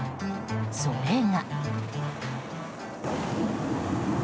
それが。